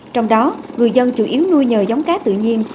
trong đó người dân chủ yếu nuôi nhờ giống cá tự nhiên